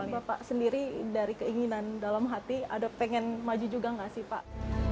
jadi pak sendiri dari keinginan dalam hati ada pengen maju juga gak sih pak